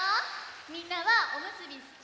みんなはおむすびすき？